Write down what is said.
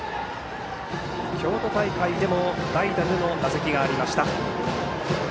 京都大会でも代打での打席がありました。